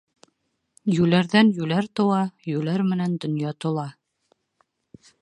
Йүләрҙән йүләр тыуа, йүләр менән донъя тула.